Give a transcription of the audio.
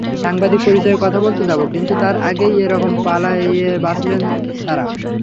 সাংবাদিক পরিচয়ে কথা বলতে যাব কিন্তু তার আগেই একরকম পালিয়ে বাঁচলেন তাঁরা।